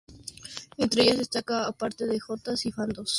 Entre ellas destaca, aparte de jotas y fandangos, el bolero.